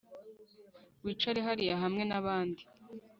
Wicare hariya hamwe nabandi